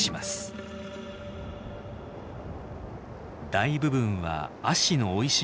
大部分は葦の生い茂る